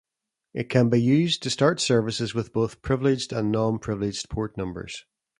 It can be used to start services with both privileged and non-privileged port numbers.